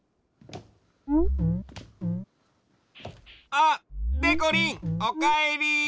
あっでこりんおかえり！